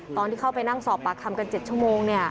ตอนที่เข้าไปนั่งสอบปากคำกัน๗ชั่วโมง